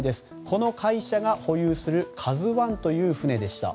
この会社が保有する「ＫＡＺＵ１」という船でした。